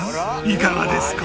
いかがですか？